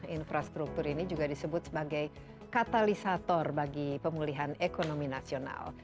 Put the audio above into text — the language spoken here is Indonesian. infrastruktur ini juga disebut sebagai katalisator bagi pemulihan ekonomi nasional